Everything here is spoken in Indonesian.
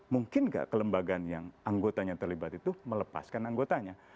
mungkin nggak kelembagaan yang anggotanya terlibat itu melepaskan anggotanya